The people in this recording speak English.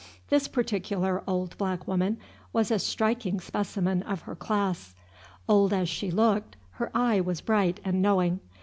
This particular old black woman was a striking specimen of her class. Old as she looked, her eye was bright and knowing.